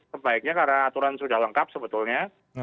sebaiknya karena aturan sudah lengkap sebetulnya